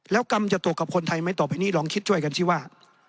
แล้วกรรมจะตกกับคนไทยไหมต่อไปนี้ลองคิดช่วยกันสิว่า